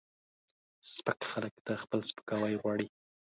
سپک خلک دا خپل سپکاوی غواړي